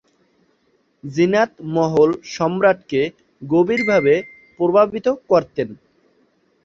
জিনাত মহল সম্রাটকে গভীরভাবে প্রভাবিত করতেন।